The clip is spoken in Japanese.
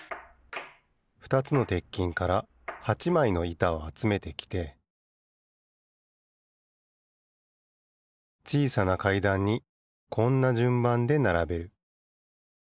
ふたつの鉄琴から８まいのいたをあつめてきてちいさな階段にこんなじゅんばんでならべる。